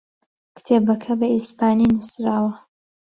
کتێبەکە بە ئیسپانی نووسراوە.